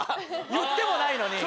言ってもないのに。